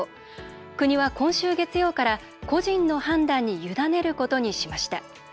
国は今週月曜から、個人の判断に委ねることにしました。